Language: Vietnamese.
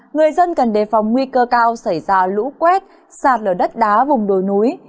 người dân cần đề phòng nguy cơ cao xảy ra lũ quét sạt lở đất đá vùng đồi núi